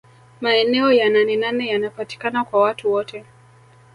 maeneo ya nanenane yanapatikana kwa watu wote